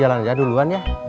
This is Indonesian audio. jalan aja duluan ya